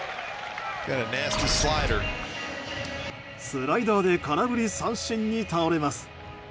スライダーで空振り三振に倒れます。